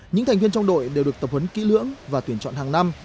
những thành viên trong đội đều được tập huấn kỹ lưỡng và tuyển chọn hàng năm